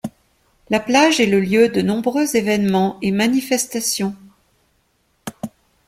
La plage est le lieu de nombreux événements et manifestations.